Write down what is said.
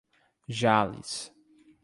Jales